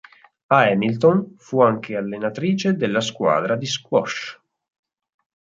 A Hamilton fu anche allenatrice della squadra di squash.